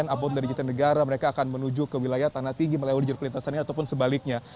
ataupun dari jaringan negara mereka akan menuju ke wilayah tanah tinggi melewati jarum perlintasannya ataupun sebaliknya